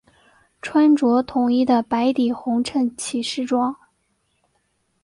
穿着统一的白底红衬骑士装。